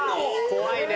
怖いね。